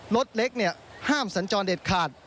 รถเล็กห้ามสัญจรเด็ดขาด